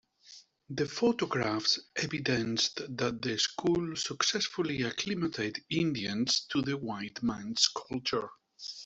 The photographs evidenced that the school successfully acclimated Indians to the white man's culture.